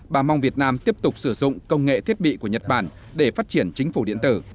bà mong việt nam tiếp tục sử dụng công nghệ thiết bị của nhật bản để phát triển chính phủ điện tử